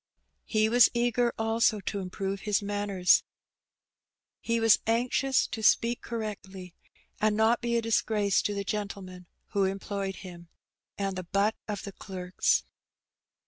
He was eager also to improve his manners. He was anxious to speak correctly, and not be a disgrace to the gentleman who employed him and the butt of the clerks.